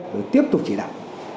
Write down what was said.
và tiếp tục chỉ đảm